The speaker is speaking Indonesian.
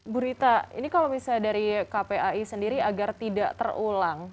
bu rita ini kalau misalnya dari kpai sendiri agar tidak terulang